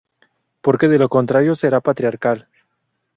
Porque de lo contrario, será patriarcal.